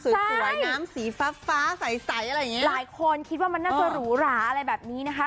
สวยน้ำสีฟ้าฟ้าใสอะไรอย่างเงี้หลายคนคิดว่ามันน่าจะหรูหราอะไรแบบนี้นะคะ